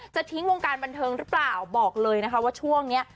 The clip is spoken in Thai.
ทิ้งวงการบันเทิงหรือเปล่าบอกเลยนะคะว่าช่วงนี้